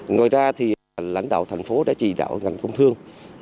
ngoài ra thì lãnh đạo thành phố đã chỉ đạo ngành công thương